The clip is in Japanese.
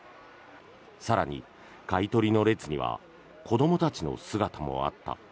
更に、買い取りの列には子どもたちの姿もあった。